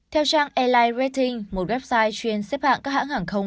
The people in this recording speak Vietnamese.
theo trang airline rating một website chuyên xếp hạng các hãng hàng không